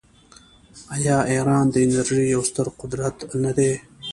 آیا ایران د انرژۍ یو ستر قدرت نه دی؟